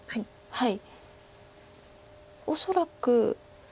はい。